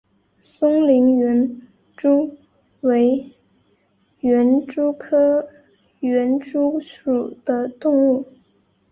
松林园蛛为园蛛科园蛛属的动物。